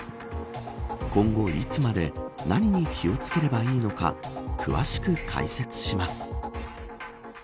今後、いつまで何に気を付ければいいのか詳しく解説します。